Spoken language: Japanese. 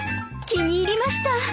気に入りました。